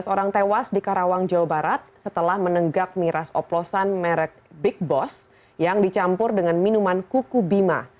sebelas orang tewas di karawang jawa barat setelah menenggak miras oplosan merek big boss yang dicampur dengan minuman kuku bima